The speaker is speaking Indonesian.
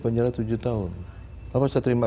penjara tujuh tahun kamu saya terima